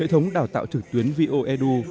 hệ thống đào tạo trực tuyến voedu